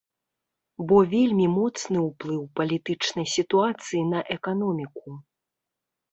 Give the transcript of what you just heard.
Бо вельмі моцны ўплыў палітычнай сітуацыі на эканоміку.